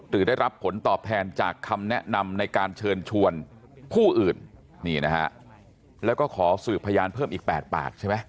หรือได้รับผลตอบแทนจากคำแนะนำในการเชิญชวนผู้อื่นนี่นะฮะแล้วก็ขอสืบพยานเพิ่มอีก๘ปากใช่ไหม